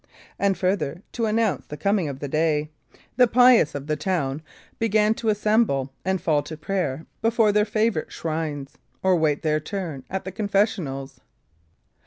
And further to announce the coming of the day, the pious of the town began to assemble and fall to prayer before their favourite shrines, or wait their turn at the confessionals.